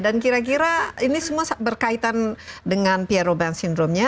dan kira kira ini semua berkaitan dengan pierre robbins sindromnya